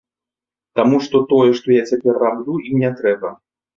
Таму што тое, што я цяпер раблю, ім не трэба.